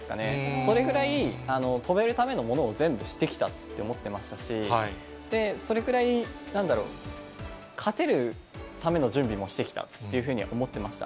それくらい跳べるためのものを全部してきたって思ってましたし、それぐらい、なんだろう、勝てるための準備もしてきたっていうふうには思ってました。